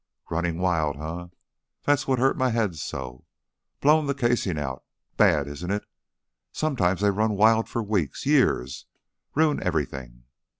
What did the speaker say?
"Running wild, eh? Tha's what hurts my head so. Blown the casing out Bad, isn't it? Sometimes they run wild for weeks, years ruin everything."